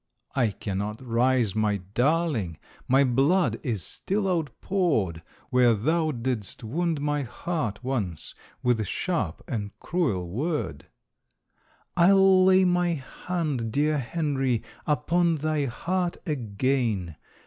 "I cannot rise, my darling, My blood is still outpoured Where thou didst wound my heart once With sharp and cruel word." "I'll lay my hand, dear Henry, Upon thy heart again.